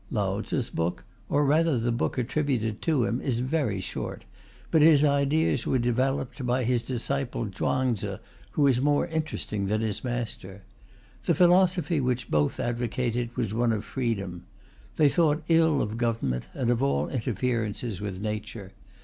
Lao Tze's book, or rather the book attributed to him, is very short, but his ideas were developed by his disciple Chuang Tze, who is more interesting than his master. The philosophy which both advocated was one of freedom. They thought ill of government, and of all interferences with Nature.